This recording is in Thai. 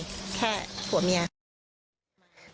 แค่สัวมียา